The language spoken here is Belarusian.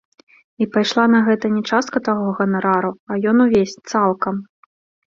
І пайшла на гэта не частка таго ганарару, а ён увесь, цалкам.